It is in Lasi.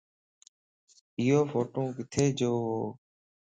ايو ڦوٽو ڪٿي جووَ؟